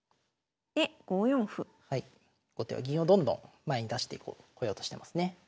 後手は銀をどんどん前に出していこうこようとしてますね。